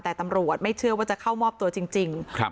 แต่ตำรวจไม่เชื่อว่าจะเข้ามอบตัวจริง